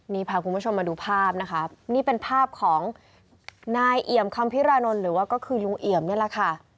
นี่พาคุณผู้ชมมาดูภาพนะคะนี่เป็นภาพของนายเอี่ยมคำพิรานนท์หรือว่าก็คือลุงเอี่ยมนี่แหละค่ะ